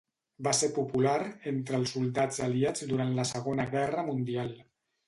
Va ser popular entre els soldats aliats durant la Segona Guerra Mundial.